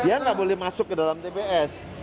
dia nggak boleh masuk ke dalam tps